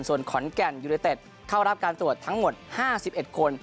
ส่วนขอนแก่นยูเลเต็ดเข้ารับการตรวจทั้งหมดห้าสิบเอ็ดคน